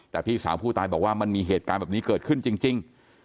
แต่พี่สาวผู้ตายบอกว่ามันมีเหตุการณ์แบบนี้เกิดขึ้นจริง